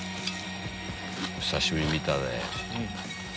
久しぶりに見たね。